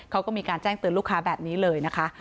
เขาก็มีการแจ้งเตือนลูกค้าแบบนี้เลยนะคะ